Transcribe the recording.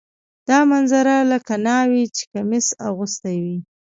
دا منظره لکه ناوې چې کمیس اغوستی وي.